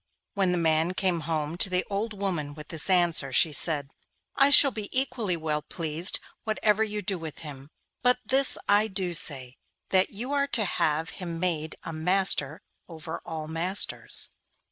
When the man came home to the old woman with this answer, she said, 'I shall be equally well pleased whatever you do with him; but this I do say, that you are to have him made a master over all masters.